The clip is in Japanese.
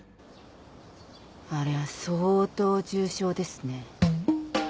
あれは相当重症ですね。